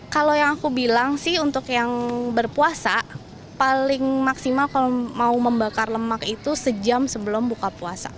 kalau yang aku bilang sih untuk yang berpuasa paling maksimal kalau mau membakar lemak itu sejam sebelum buka puasa